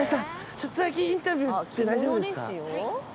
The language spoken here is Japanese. ちょっとだけインタビューって大丈夫ですか？